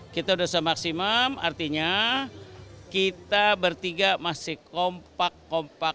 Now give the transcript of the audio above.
kita sudah semaksimum artinya kita bertiga masih kompak kompak and kompak